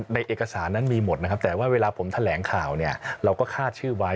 ในเอกสารนั้นมีหมดแต่ว่าเวลาผมแทะแรงข่าวเราก็คาดชื่อไว้